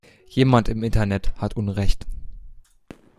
Jemand im Internet hat unrecht.